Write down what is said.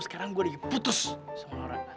sekarang gua udah diputus sama laura